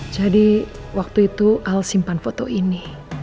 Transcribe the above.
jadi waktu itu al simpan foto ini